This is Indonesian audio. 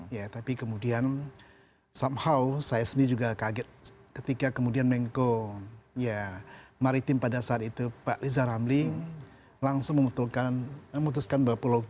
ya tapi kemudian somehow saya sendiri juga kaget ketika kemudian mengko ya maritim pada saat itu pak riza ramli langsung memutuskan bahwa pulau g